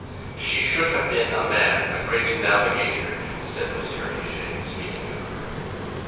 "She should have been a man a great navigator," said M. Heger in speaking of her.